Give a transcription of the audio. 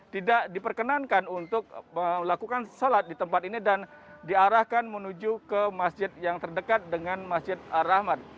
tidak diperkenankan untuk melakukan sholat di tempat ini dan diarahkan menuju ke masjid yang terdekat dengan masjid ar rahman